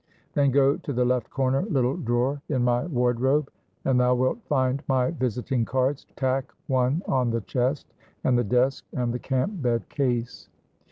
Then go to the left corner little drawer in my wardrobe, and thou wilt find my visiting cards. Tack one on the chest, and the desk, and the camp bed case.